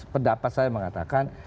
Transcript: pendapat saya mengatakan